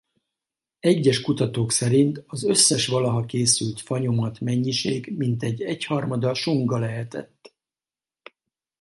Egyes kutatók szerint az összes valaha készült fanyomat-mennyiség mintegy egyharmada sunga lehetett.